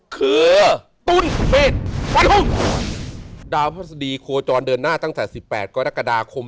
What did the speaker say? คือตุ้นเมฆวันพุ่งดาวพฤษฎีโคจรเดินหน้าตั้งแต่สิบแปดกรกฎาคม